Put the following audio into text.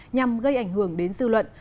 nhằm gây ảnh hưởng đến dư luận